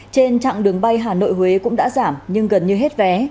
trên chặng đường bay hà nội huế cũng đã giảm nhưng gần như hết vé